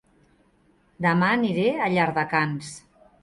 Dema aniré a Llardecans